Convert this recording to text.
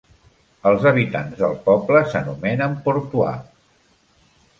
Els habitants del poble s'anomenen "portois".